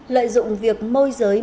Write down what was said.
lợi dụng việc môi giới môi giới